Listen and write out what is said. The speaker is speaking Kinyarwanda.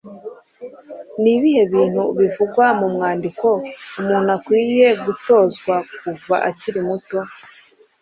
Ni ibihe bintu bivugwa mu mwandiko umuntu akwiye gutozwa kuva akiri muto?